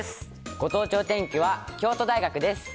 ご当地お天気は京都大学です。